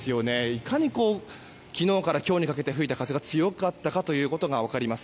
いかに、昨日から今日にかけて吹いた風が強かったが分かります。